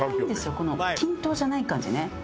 この均等じゃない感じね。